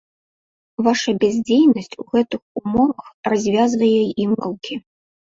Ваша бяздзейнасць у гэтых умовах развязвае ім рукі.